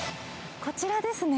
こちらですね。